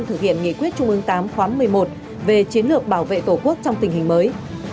thực hiện nghị quyết trung ương viii khóa một mươi một về chiến lược bảo vệ tổ quốc trong tình hình mới